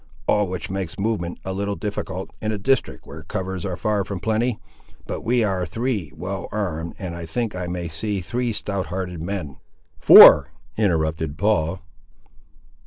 All which makes movement a little difficult, in a district where covers are far from plenty. But we are three well armed, and I think I may see three stout hearted men—" "Four," interrupted Paul.